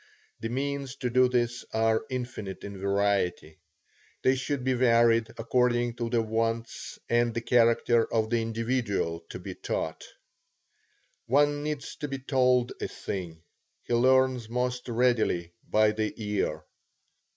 The means to do this are infinite in variety. They should be varied according to the wants and the character of the individual to be taught. One needs to be told a thing; he learns most readily by the ear.